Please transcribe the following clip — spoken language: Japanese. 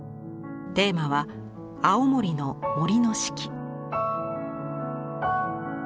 テーマは青森の森の四季。